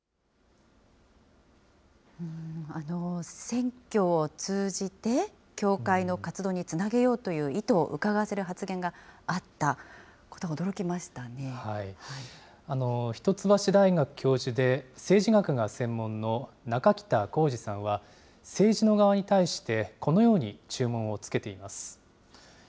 選挙を通じて、教会の活動につなげようという意図をうかがわせようという発言が一橋大学教授で、政治学が専門の中北浩爾さんは、政治の側に対してこのように注文をつけています。